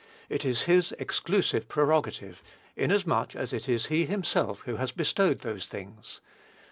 It is his exclusive prerogative, inasmuch as it is he himself who has bestowed those things.